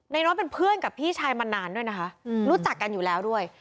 น้อยเป็นเพื่อนกับพี่ชายมานานด้วยนะคะรู้จักกันอยู่แล้วด้วย